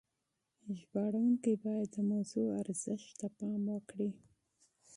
ژباړونکي باید د موضوع ارزښت ته پام وکړي.